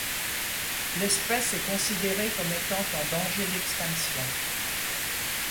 L’espèce est considérée comme étant en danger d’extinction.